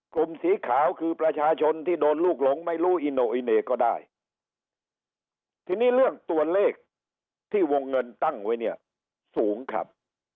กลุ่มสีขาวคือประชาชนที่โดนลูกหลงไม่รู้อิโนอิเน่ก็ได้ทีนี้เรื่องตัวเลขที่วงเงินตั้งไว้เนี่ยสูงครับ